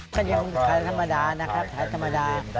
ก็ยังแถนธรรมดานะครับแถนธรรมดา